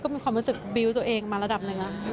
มีความรู้สึกบิวต์ตัวเองมาระดับหนึ่งแล้ว